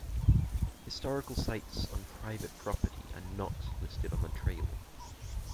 Historical sites on private property are not listed on the trail.